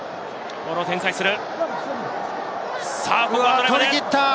ボールを展開する。